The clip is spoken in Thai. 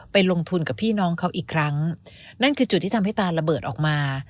ลงทุนกับพี่น้องเขาอีกครั้งนั่นคือจุดที่ทำให้ตาระเบิดออกมา